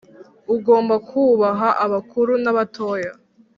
ugomba kubaha abakuru nabatoya